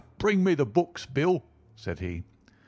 "Bring me the books, Bill," said he.